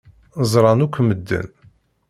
Ẓṛan akk medden.